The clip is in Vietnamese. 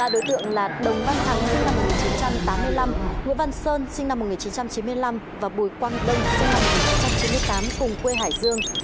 ba đối tượng là đồng văn hằng sinh năm một nghìn chín trăm tám mươi năm nguyễn văn sơn sinh năm một nghìn chín trăm chín mươi năm và bùi quang đông sinh năm một nghìn chín trăm chín mươi tám cùng quê hải dương